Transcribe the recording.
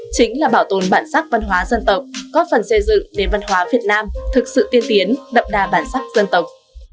chính là bảo tồn bản sắc văn hóa dân tộc góp phần xây dựng nền văn hóa việt nam thực sự tiên tiến đậm đà bản sắc dân tộc